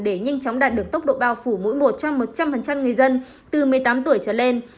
để nhanh chóng đạt được tốc độ bao phủ mỗi một trong một trăm linh người dân từ một mươi tám tuổi trở lên